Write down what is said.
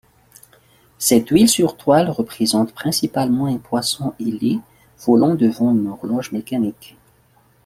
Cette huile sur toile représente principalement un poisson ailé volant devant une horloge mécanique.